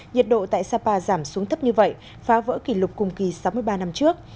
nhiệt độ tại sapa giảm xuống thấp như vậy phá vỡ kỷ lục cùng kỳ sáu mươi ba năm trước